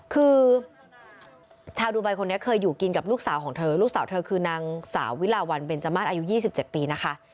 คือชาวดูไบคนนี้เคยอยู่กินกับลูกสาวของเธอลูกสาวเธอคือนางสาววิลาวันเบนจมาสอายุ๒๗ปีนะคะ